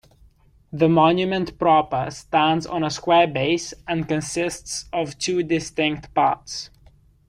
The monument proper stands on a square base and consists of two distinct parts.